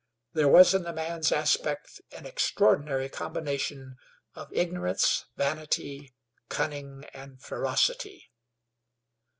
There was in the man's aspect an extraordinary combination of ignorance, vanity, cunning and ferocity.